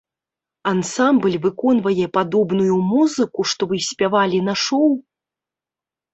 Ансамбль выконвае падобную музыку, што вы спявалі на шоў?